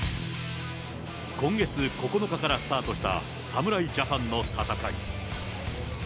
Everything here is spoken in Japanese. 今月９日からスタートした侍ジャパンの戦い。